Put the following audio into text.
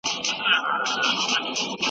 نظم سته.